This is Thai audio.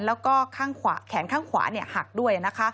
แล้วก็แขนข้างขวาหักด้วย